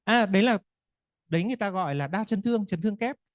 à đấy là đấy người ta gọi là đa chấn thương chấn thương kép